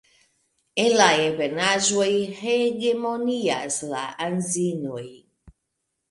En la ebenaĵoj hegemonias la anzinoj.